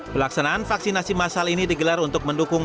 pelaksanaan vaksinasi masal ini digelar untuk mendukung